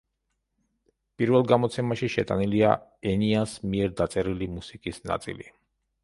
პირველ გამოცემაში შეტანილია ენიას მიერ დაწერილი მუსიკის ნაწილი.